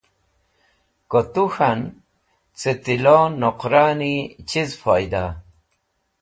Ko tu k̃han cẽ tilo loqrani chiz foyda?